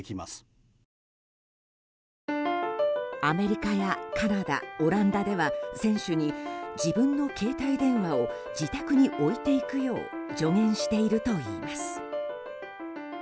アメリカやカナダオランダでは選手に自分の携帯電話を自宅に置いていくよう助言しているといいます。